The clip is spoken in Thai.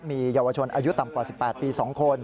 มีเยาวชนอายุต่ำกว่า๑๘ปี๒คน